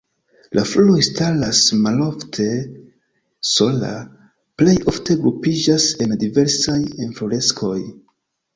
La floroj staras malofte sola, plej ofte grupiĝas en diversaj infloreskoj.